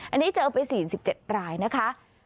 อันนี้เจอไป๔๗รายนะคะ